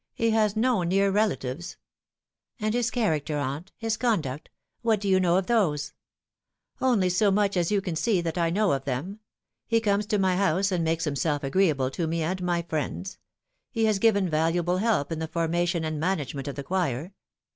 He has no near relatives." Higher Views. 199 " And his character, aunt ; his conduct ? What do you know of those ?"" Only so much as you can see that I know of them. He comes to my house, and makes himself agreeable to me and my friends. He has given valuable help in the formation and manage ment of the choir.